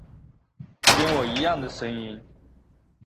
跟我一样的声音